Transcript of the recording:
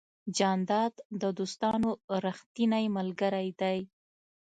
جانداد د دوستانو ریښتینی ملګری دی.